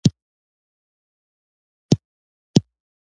مفعول وروسته راځي.